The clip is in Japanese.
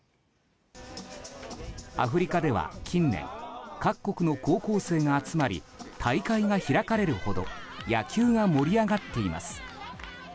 アフリカでは近年、各国の高校生が集まり大会が開かれるほど野球が盛り上がっています。